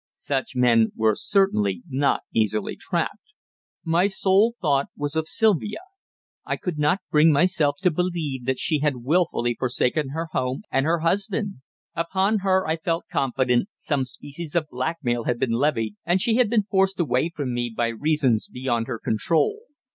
Such men were certainly not easily trapped. My sole thought was of Sylvia. I could not bring myself to believe that she had wilfully forsaken her home and her husband. Upon her, I felt confident, some species of blackmail had been levied, and she had been forced away from me by reasons beyond her control.